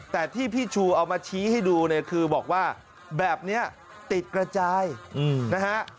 แต่ที่พี่ชูเอามาชี้ให้ดูเนี่ยคือบอกว่าแบบนี้ติดกระจายนะฮะ